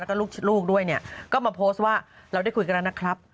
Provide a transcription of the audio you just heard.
แล้วก็ลูกด้วยเนี่ยก็มาโพสต์ว่าเราได้คุยกันแล้วนะครับ